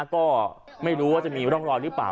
ก็ไม่รู้ว่าจะมีร่องรอยหรือเปล่า